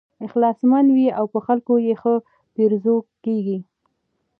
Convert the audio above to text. اخلاصمن وي او په خلکو یې ښه پیرزو کېږي.